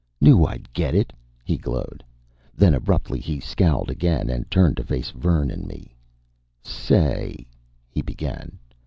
"Knew I'd get it," he glowed. Then abruptly he scowled again and turned to face Vern and me. "Say " he began.